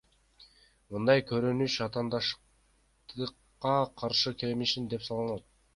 Мындай көрүнүш атаандаштыкка каршы келишим деп саналат.